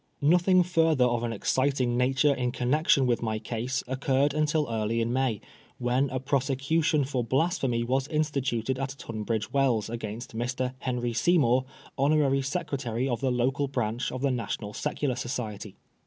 Nothing further of an exciting nature in connexion with my case occurred until early in May, when a prosecution for Blasphemy was instituted at Tunbridge Wells against Mr. Henry Seymour, Honorary Secretary of the local branch of the National Secular Society.